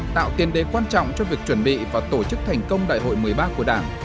tạo tiền đề quan trọng cho việc chuẩn bị và tổ chức thành công đại hội một mươi ba của đảng